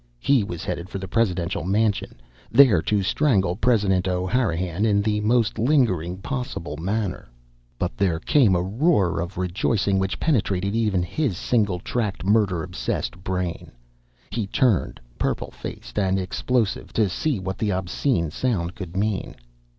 He was headed for the presidential mansion, there to strangle President O'Hanrahan in the most lingering possible manner. But there came a roar of rejoicing which penetrated even his single tracked, murder obsessed brain. He turned, purple face and explosive, to see what the obscene sound could mean.